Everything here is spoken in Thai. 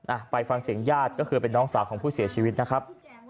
อ่ะไปฟังเสียงญาติก็คือเป็นน้องสาวของผู้เสียชีวิตนะครับ